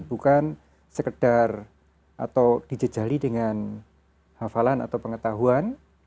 bukan sekedar atau dijejali dengan hafalan atau pengetahuan